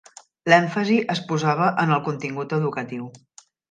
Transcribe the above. L'èmfasi es posava en el contingut educatiu.